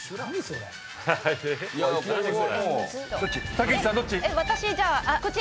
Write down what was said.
竹内さんどっち？